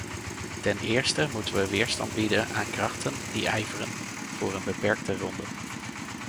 Ten eerste moeten we weerstand bieden aan krachten die ijveren voor een beperkte ronde.